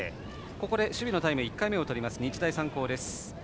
ここで守備のタイム１回目をとる、日大三高です。